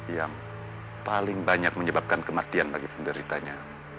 yang paling banyak menyebabkan kematian bagi penderitanya